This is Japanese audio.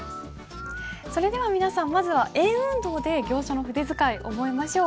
それでは皆さんまずは円運動で行書の筆使い覚えましょう。